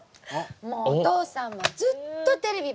もうお父さんはずっとテレビばっかり見て。